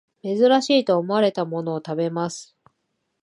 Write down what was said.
珍しいと思われたものを食べます